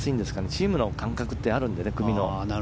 チームの感覚ってあるので。